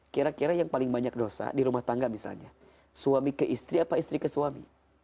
kira kira yang paling banyak dosa di rumah tangga misalnya suami ke istri apa istri ke suami